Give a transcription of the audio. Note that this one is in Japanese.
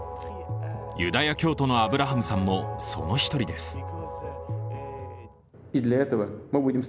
ユダヤ教徒のアブラハムさんも、その１人です。